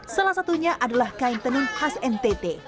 salah satunya adalah kain tenun khas ntt